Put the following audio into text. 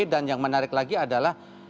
dan yang menarik lagi adalah